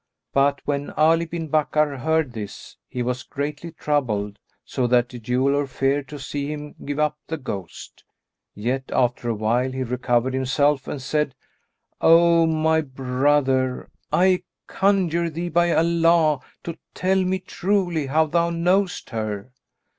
But when Ali bin Bakkar heard this, he was greatly troubled, so that the jeweller feared to see him give up the ghost, yet after a while he recovered himself and said, "O my brother, I conjure thee by Allah to tell me truly how thou knowest her."